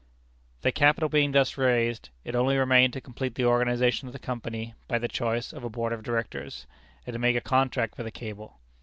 The capital being thus raised, it only remained to complete the organization of the Company by the choice of a Board of Directors, and to make a contract for the cable.